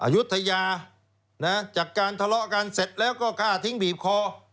อายุทยาจากการทะเลาะกันเสร็จแล้วก็กล้าทิ้งบีบคอ